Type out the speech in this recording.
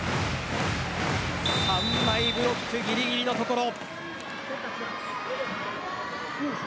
３枚ブロックぎりぎりのところ。